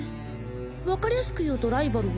分かりやすく言うとライバル？